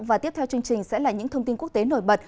và tiếp theo chương trình sẽ là những thông tin quốc tế nổi bật